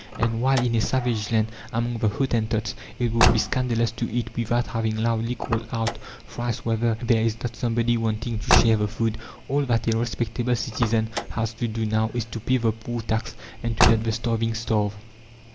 And while in a savage land, among the Hottentots, it would be scandalous to eat without having loudly called out thrice whether there is not somebody wanting to share the food, all that a respectable citizen has to do now is to pay the poor tax and to let the starving starve.